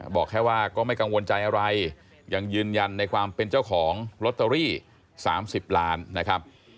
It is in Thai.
บอกแค่ว่าก็ไม่กังวลใจอะไรยังยืนยันในความเป็นเจ้าของลอตเตอรี่๓๐ล้านนะครับ